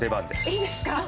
いいですか？